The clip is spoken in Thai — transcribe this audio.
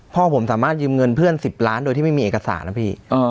พ่อผมสามารถยืมเงินเพื่อน๑๐ล้านโดยที่ไม่มีเอกสารนะพี่